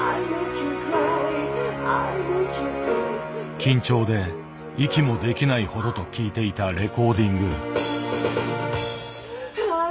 緊張で息もできないほどと聞いていたレコーディング。